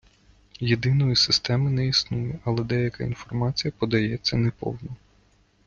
Єдиної системи не існує «Але деяка інформація подається неповно.